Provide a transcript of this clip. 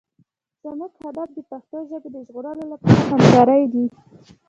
زموږ هدف د پښتو ژبې د ژغورلو لپاره همکارۍ دي.